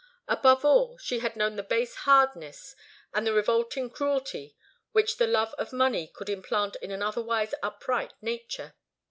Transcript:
Above all, she had known the base hardness and the revolting cruelty which the love of money could implant in an otherwise upright nature.